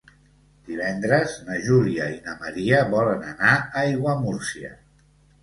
Divendres na Júlia i na Maria volen anar a Aiguamúrcia.